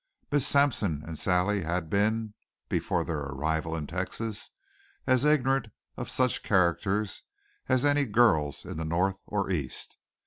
Miss Sampson and Sally had been, before their arrival in Texas, as ignorant of such characters as any girls in the North or East.